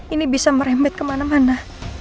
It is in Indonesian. ini bisa merembet kemana mana